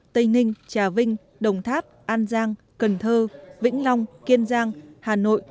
tây ninh trà vinh đồng tháp an giang cần thơ vĩnh long kiên giang hà nội